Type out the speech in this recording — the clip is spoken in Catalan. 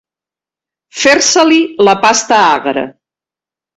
Fer-se-li la pasta agra.